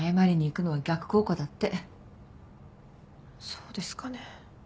そうですかね？